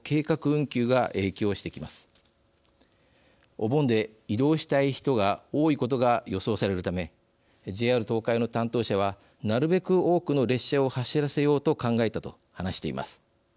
お盆で移動したい人が多いことが予想されるためＪＲ東海の担当者は「なるべく多くの列車を走らせようと考えた」と話しています。